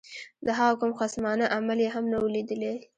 د هغه کوم خصمانه عمل یې هم نه وو لیدلی.